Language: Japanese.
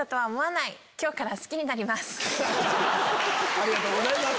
ありがとうございます。